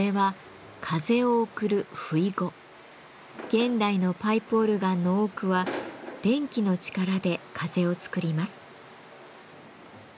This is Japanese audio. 現代のパイプオルガンの多くは電気の力で風を作ります。